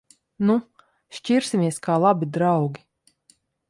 Nu! Šķirsimies kā labi draugi.